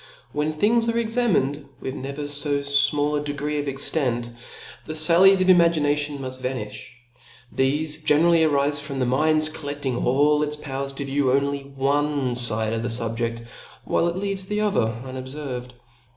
When things are examined with never fo fmall a degree of extent^ the fallies pf imagination inuft vaniflii thefQ generally arifc from the mind's coUeding all its powers .to view only one fide of the fubje(a^ while it leaves the other unobferved.